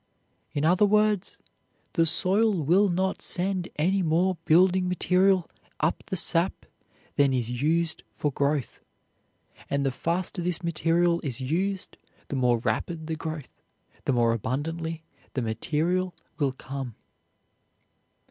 In other words, the soil will not send any more building material up the sap than is used for growth, and the faster this material is used the more rapid the growth, the more abundantly the material will come.